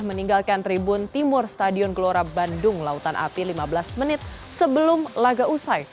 meninggalkan tribun timur stadion gelora bandung lautan api lima belas menit sebelum laga usai